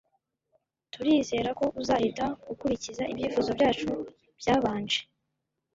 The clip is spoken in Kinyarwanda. Turizera ko uzahita ukurikiza ibyifuzo byacu byabanje